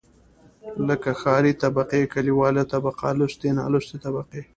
لکه ښاري طبقې، کليواله طبقه لوستې، نالوستې طبقې.